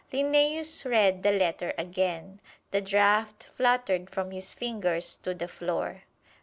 Linnæus read the letter again. The draft fluttered from his fingers to the floor.